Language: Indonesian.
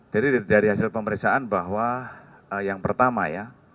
jadi dari hasil pemeriksaan bahwa yang pertama ya